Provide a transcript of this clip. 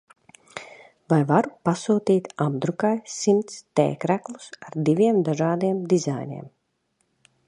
Vai varu pasūtīt apdrukai simts t-kreklus ar diviem dažādiem dizainiem.